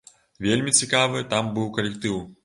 Вельмі цікавы там быў калектыў.